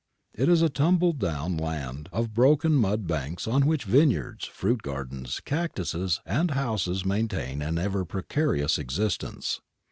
It is a tumble down land of broken mud banks on which vineyards, fruit gardens, cactuses, and houses maintain an ever precarious existence.